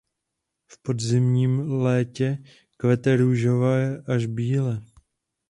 V pozdním létě kvete růžově až bíle.